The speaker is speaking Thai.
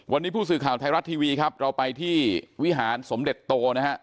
วันนี้ผู้สื่อข่าวไทยรัฐทีวีครับเราไปที่วิหารสมเด็จโตนะฮะ